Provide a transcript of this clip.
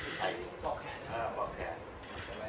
หลังจากนี้ก็ได้เห็นว่าหลังจากนี้ก็ได้เห็นว่า